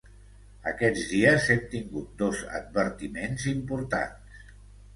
Aquests dies hem tingut dos advertiments importants.